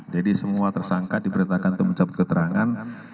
jadi semua tersangka diberitakan untuk mencabut keterangan